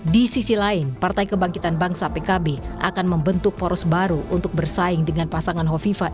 di sisi lain partai kebangkitan bangsa pkb akan membentuk poros baru untuk bersaing dengan pasangan hovifa